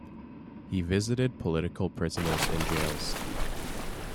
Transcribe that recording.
He visited political prisoners in jails.